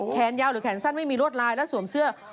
แขนยาวหรือแขนสั้นไม่มีรวดลายและสวมเสื้อ